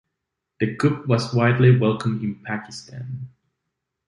The coup was widely welcomed in Pakistan.